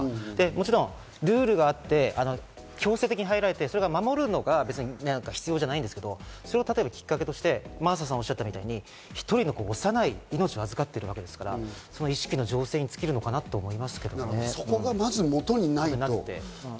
もちろんルールがあって、強制的に入られて守るのが必要じゃないんですけど、それをきっかけとして真麻さんがおっしゃったように１人の幼い命を預かっているわけですから、その意識のじょうせいに尽きるのかなと思います。